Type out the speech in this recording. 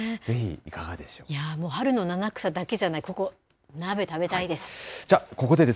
いやぁ、もう春の七草だけじゃなく、ここ、鍋食べたいです。